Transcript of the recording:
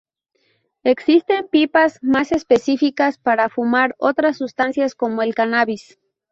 Existen pipas más específicas para fumar otras sustancias, como el cannabis.